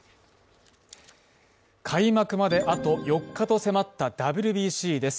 開幕まであと４日と迫ったＷＢＣです。